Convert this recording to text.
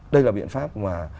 đây là biện pháp mà